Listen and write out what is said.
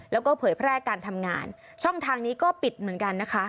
แล้วก็เผยแพร่การทำงานช่องทางนี้ก็ปิดเหมือนกันนะคะ